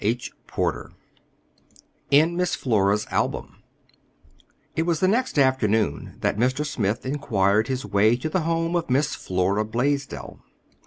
CHAPTER V IN MISS FLORA'S ALBUM It was the next afternoon that Mr. Smith inquired his way to the home of Miss Flora Blaisdell.